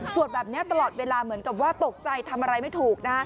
แบบนี้ตลอดเวลาเหมือนกับว่าตกใจทำอะไรไม่ถูก